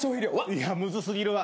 いやむず過ぎるわ。